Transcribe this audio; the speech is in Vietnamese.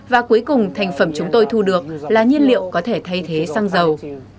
và cuối cùng thành phẩm chúng tôi thu được là nhiên liệu có thể thay thế xăng dầu